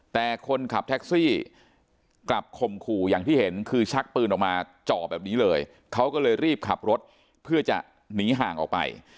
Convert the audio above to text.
แต่คนขับแท็กซี่กลับข่มขู่อย่างที่เห็นคือชักปืนออกมาจ่อแบบนี้เลยเขาก็เลยรีบขับรถเพื่อจะหนีห่างออกไป